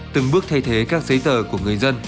từng bước thay thế các giấy tờ của người dân